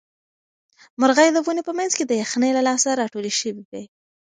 مرغۍ د ونې په منځ کې د یخنۍ له لاسه راټولې شوې وې.